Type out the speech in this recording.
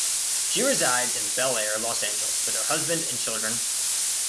She resides in Bel Air, Los Angeles, with her husband and children.